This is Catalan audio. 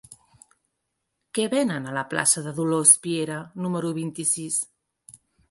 Què venen a la plaça de Dolors Piera número vint-i-sis?